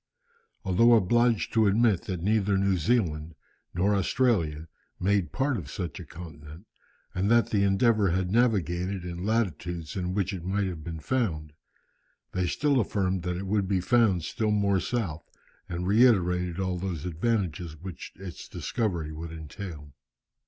Although obliged to admit that neither New Zealand nor Australia made part of such a continent, and that the Endeavour had navigated in latitudes in which it might have been found, they still affirmed that it would be found still more south, and reiterated all those advantages which its discovery would entail.